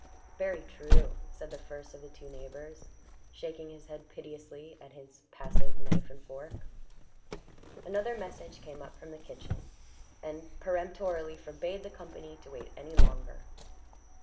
"Very true," said the first of the two neighbors, shaking his head piteously at his passive knife and fork. Another message came up from the kitchen, and peremptorily forbade the company to wait any longer.